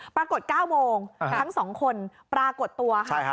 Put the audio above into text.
ปรากฏ๙โมงทั้ง๒คนปรากฏตัวค่ะ